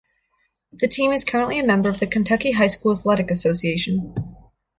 The team is currently a member of the Kentucky High School Athletic Association.